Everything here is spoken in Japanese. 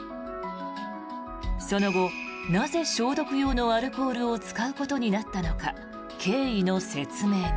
その後なぜ消毒用のアルコールを使うことになったのか経緯の説明に。